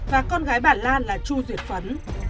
và con gái bà lan là chu duyệt phấn